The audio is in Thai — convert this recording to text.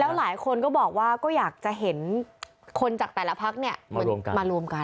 และหลายคนบอกว่าเขายักษ์จะเห็นคนจากแต่ละภัคษณ์มารวมกัน